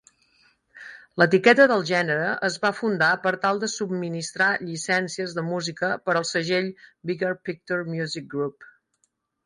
L'etiqueta del gènere es va fundar per tal de subministrar llicències de música per al segell Bigger Picture Music Group.